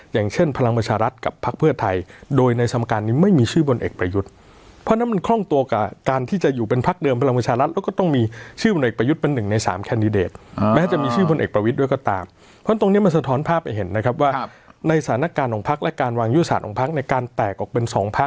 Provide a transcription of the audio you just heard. อย่างเช่นพลังประชารัฐกับพักเพื่อไทยโดยในสมการนี้ไม่มีชื่อบนเอกประยุทธ์เพราะนั้นมันคล่องตัวกับการที่จะอยู่เป็นพักเดิมพลังประชารัฐแล้วก็ต้องมีชื่อบนเอกประยุทธ์เป็นหนึ่งในสามแคนดิเดตแม้จะมีชื่อบนเอกประวิทธ์ด้วยก็ตามเพราะตรงนี้มันสะท้อนภาพไปเห็นนะครับว่าในสถานการณ์ของพั